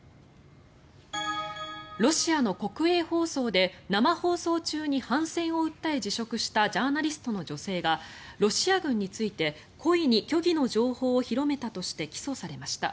ロシアの国営放送で生放送中に反戦を訴え辞職したジャーナリストの女性がロシア軍について故意に虚偽の情報を広めたとして起訴されました。